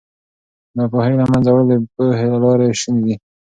د ناپوهۍ له منځه وړل د پوهې له لارې شوني دي.